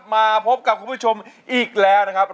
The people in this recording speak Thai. มาพบกับคุณผู้ชมอีกแล้วนะครับ